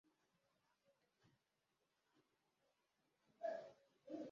Buri gikorwa na buri mugambi umuntu yagize, bizaba biri imbere ye